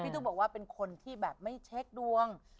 ต้องบอกว่าเป็นคนที่แบบไม่เช็คดวง